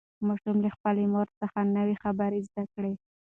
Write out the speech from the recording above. ماشوم له خپلې مور څخه نوې خبره زده کړه